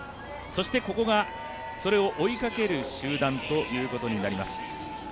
そしてここが、それを追いかける集団ということになります。